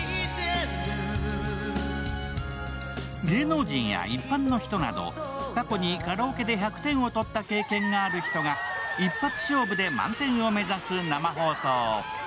芸能人や一般の人など過去にカラオケで１００点をとった経験のある人が一発勝負で満点を目指す生放送。